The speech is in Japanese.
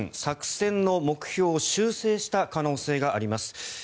作戦の目標を修正した可能性があります。